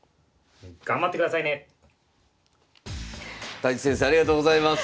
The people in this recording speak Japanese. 太地先生ありがとうございます。